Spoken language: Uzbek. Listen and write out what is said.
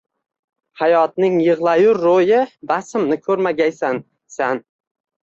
Hayoting yigʻlayur roʻyi basimni koʻrmagaysan, san